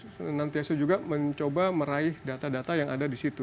kita juga akan nanti aja mencoba meraih data data yang ada di situ